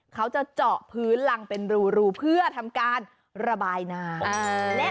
เขาจะเจาะพื้นรังเป็นรูเพื่อทำการระบายน้ำ